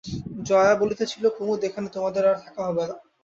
জয়া বলিতেছিল, কুমুদ, এখানে তোমাদের আর থাকা হবে না।